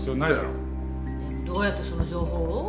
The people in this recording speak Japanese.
でもどうやってその情報を？